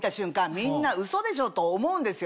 みんなうそでしょ！と思うんですよ。